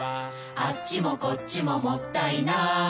「あっちもこっちももったいない」